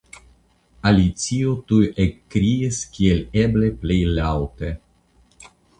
Alicio tuj ekkriis kiel eble plej laŭte.